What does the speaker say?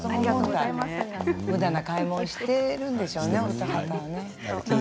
むだな買い物をしているんでしょうね。